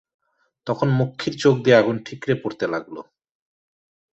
তখন মক্ষীর চোখ দিয়ে আগুন ঠিকরে পড়তে লাগল।